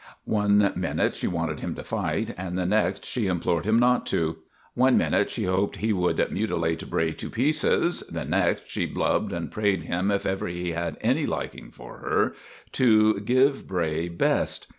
One minute she wanted him to fight, the next she implored him not to; one minute she hoped he would mutilate Bray to pieces, the next she blubbed and prayed him if ever he had any liking for her to give Bray "best."